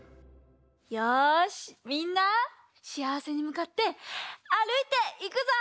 よしみんなしあわせにむかってあるいていくぞ！